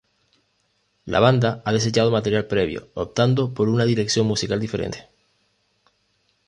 La banda ha desechado material previo, optando por una dirección musical diferente.